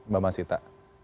mbak mas sita